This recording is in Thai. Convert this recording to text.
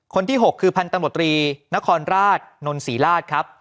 คนที่๖คือพันธมตรีนครราชนนศรีราชครับ